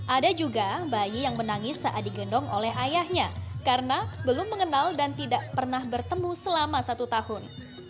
ada juga bayi yang menangis saat digendong oleh ayahnya karena belum mengenal dan tidak pernah bertemu selama satu tahun